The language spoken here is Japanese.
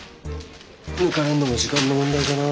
抜かれんのも時間の問題かな。